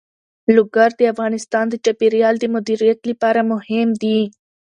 لوگر د افغانستان د چاپیریال د مدیریت لپاره مهم دي.